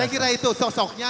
saya kira itu sosoknya